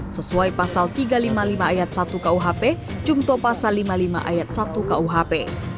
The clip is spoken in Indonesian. sesuai pasal tiga ratus lima puluh lima ayat satu kuhp jungto pasal lima puluh lima ayat satu kuhp